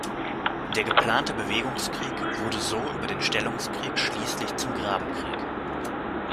Der geplante Bewegungskrieg wurde so über den Stellungskrieg schließlich zum Grabenkrieg.